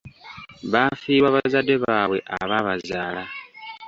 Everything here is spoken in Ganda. Baafiirwa bazadde baabwe abaabaazaala.